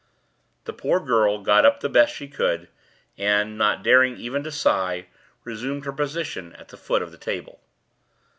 The poor girl got up the best she could, and, not daring even to sigh, resumed her position at the foot of the table.